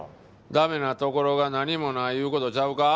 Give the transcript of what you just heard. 駄目なところが何もないいう事ちゃうか？